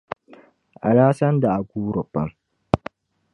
Alhassani daa guuri pam.